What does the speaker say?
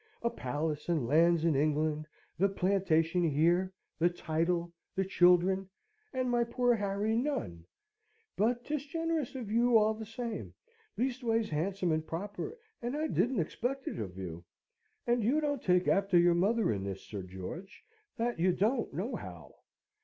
a palace and lands in England the plantation here the title and children and my poor Harry none? But 'tis generous of you all the same leastways handsome and proper, and I didn't expect it of you; and you don't take after your mother in this, Sir George, that you don't, nohow.